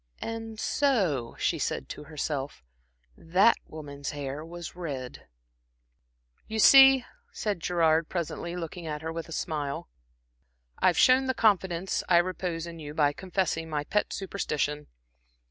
"And so," she said to herself, "that woman's hair was red." "You see," said Gerard, presently, looking at her with a smile, "I've shown the confidence I repose in you by confessing my pet superstition.